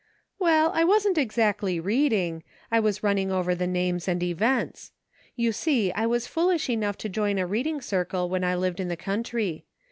"Well, I wasn't exactly reading; I was running over the names and events. You see I was foolish enough to join a reading circle when I lived in the country.